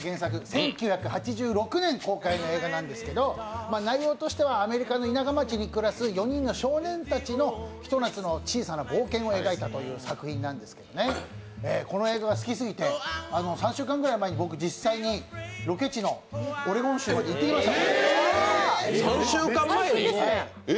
１９８６年公開の映画なんですけど内容としてはアメリカの田舎町に暮らす４人の少年たちのひと夏の小さな冒険を描いたという作品なんですけれども、この映画が好きすぎて、３週間ぐらい前に僕実際にロケ地のオレゴン州に行ってきました。